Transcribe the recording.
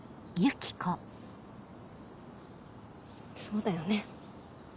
そうだよね。